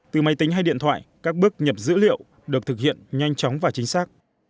từ máy tính hay điện thoại các bước nhập dữ liệu được thực hiện nhanh chóng và chính xác